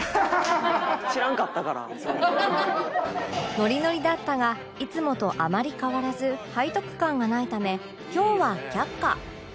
ノリノリだったがいつもとあまり変わらず背徳感がないため今日は却下